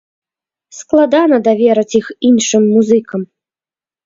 Складана даверыць іх іншым музыкам.